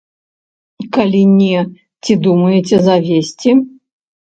Калі не, ці думаеце завесці?